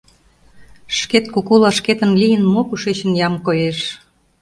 Шкет кукула шкетын лийын, мо кушечын ям коеш?